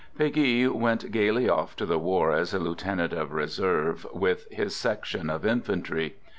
Peguy went gayly off to the war as a lieutenant of reserve with his section of infantry.